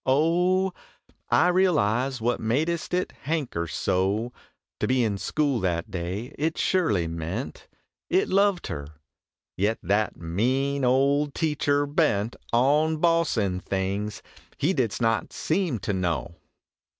Oh, I realize what madest it hanker so To be in school that day: it surely meant 13 It loved her! Yet, that mean old teacher bent On bossin things he didst not seem to know.